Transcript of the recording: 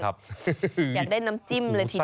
อยากได้น้ำจิ้มเลยทีเดียว